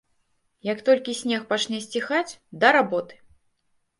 Як толькі снег пачне сціхаць, да работы!